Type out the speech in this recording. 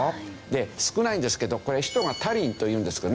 少ないんですけど首都がタリンと言うんですけどね